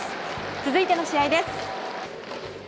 続いての試合です。